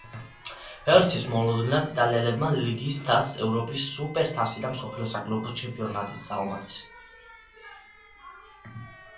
ბევრისთვის მოულოდნელად იტალიელებმა ლიგის თასს ევროპის სუპერთასი და მსოფლიოს საკლუბო ჩემპიონატიც დაუმატეს.